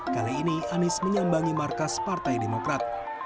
kali ini anies menyambangi markas partai demokrat